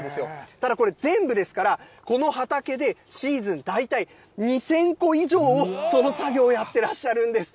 ただこれ、全部ですから、この畑でシーズン、大体２０００個以上を、その作業をやってらっしゃるんです。